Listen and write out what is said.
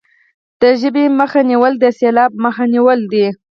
د ژبې مخه نیول د سیلاب مخه نیول دي.